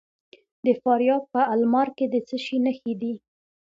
د فاریاب په المار کې د څه شي نښې دي؟